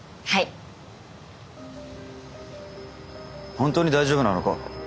本当に大丈夫なのか？